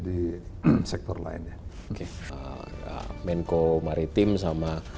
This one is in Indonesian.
di sektor lainnya menko maritim sama